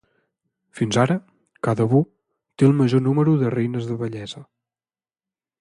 Fins ara, Kadavu té el major número de Reines de bellesa.